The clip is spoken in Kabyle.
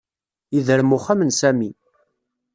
Yedrem uxxam n Sami.